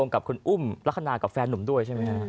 กับคุณอุ้มลักษณะกับแฟนหนุ่มด้วยใช่ไหมฮะ